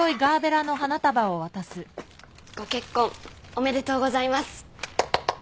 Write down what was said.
ご結婚おめでとうございます。